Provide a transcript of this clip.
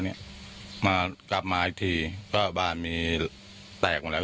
ให้ประหลาดกลับมาอีกทีและโจรติแกรไปแปลกแล้ว